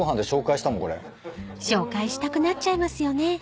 ［紹介したくなっちゃいますよね］